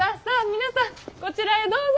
皆さんこちらへどうぞ。